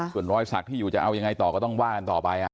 ส่วนรอยสักที่อยู่จะเอายังไงต่อก็ต้องว่ากันต่อไป